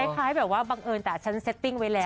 คล้ายแบบว่าบังเอิญแต่ฉันเซตติ้งไว้แล้ว